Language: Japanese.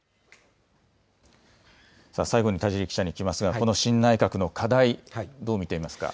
最後に田尻記者に聞きますがこの新内閣の課題、どう見ていますか。